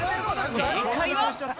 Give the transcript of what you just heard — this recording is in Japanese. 正解は。